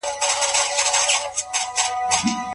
ښځه له سړي نه زړوره ده.